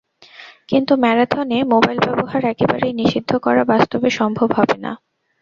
কিন্তু ম্যারাথনে মোবাইল ব্যবহার একেবারেই নিষিদ্ধ করা বাস্তবে সম্ভব হবে না।